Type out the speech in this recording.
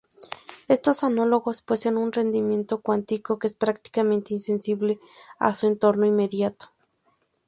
Estos análogos poseen un rendimiento cuántico que es prácticamente insensible a su entorno inmediato.